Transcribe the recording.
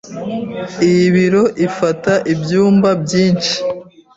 Iyi biro ifata ibyumba byinshi .